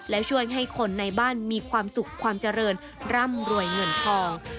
และช่วยให้คนในบ้านมีความสุขความเจริญร่ำรวยเงินทอง